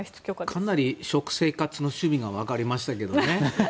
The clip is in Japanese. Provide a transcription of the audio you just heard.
かなり食生活の趣味がわかりましたけどね。